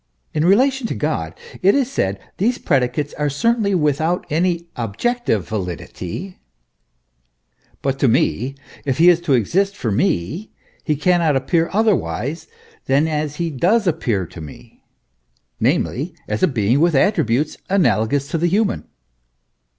In relation to God, it is said, these predicates are certainly without any objective validity ; but to me, if he is to exist for me, he cannot appear otherwise than as he does appear to me, namely, as a being with attributes analogous to the human.